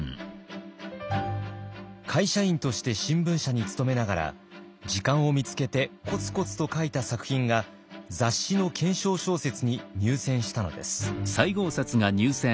会社員として新聞社に勤めながら時間を見つけてコツコツと書いた作品が雑誌の懸賞小説に入選したのです。